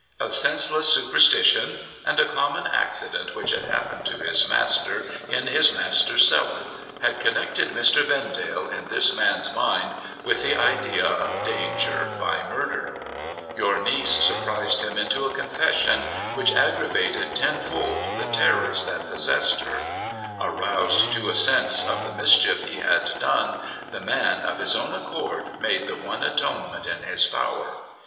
A senseless superstition, and a common accident which had happened to his master, in his master's cellar, had connected Mr. Vendale in this man's mind with the idea of danger by murder. MR. BINTREY'S ACCOUNT 567^ Your niece surprised him into a confession, which aggravated ten fold the terrors that possessed her. Aroused to a sense of the mischief he had done, the man, of his own accord, made the one atonement in his power.